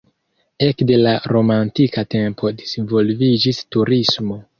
Ekde la romantika tempo disvolviĝis turismo.